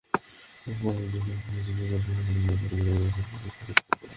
বাদ জোহর সেখানে জানাজা শেষে পারিবারিক কবরস্থানে তাঁকে দাফন করা হয়।